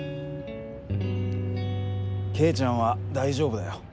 圭ちゃんは大丈夫だよ。